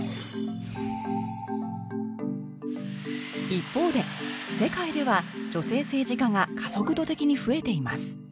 一方で世界では女性政治家が加速度的に増えています